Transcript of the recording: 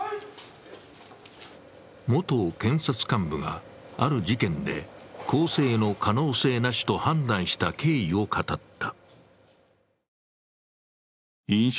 元検察幹部が、ある事件で更生の可能性なしと判断した経緯を語った。